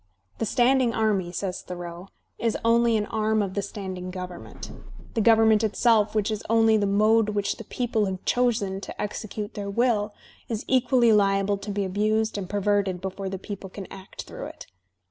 "The standing army," says Thoreau, "is only an arm of the standing government. The government itself, which is only the mode which the people have chosen to execute their will, is equally liable to be abused and perverted before the people can act through it.